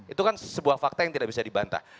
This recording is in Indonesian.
itu kan sebuah fakta yang tidak bisa dibantah